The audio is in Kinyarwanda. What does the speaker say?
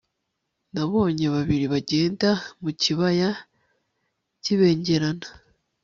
nabonye babiri bagenda mu kibaya kibengerana